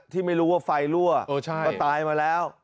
ที่ไม่รู้ว่าไฟรั่วก็ตายมาแล้ว